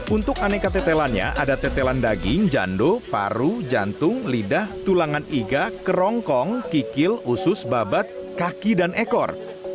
untuk aneka tetelannya ada tetelan daging jando paru jantung lidah tulangan iga kerongkong kikil usus babat kaki dan ekor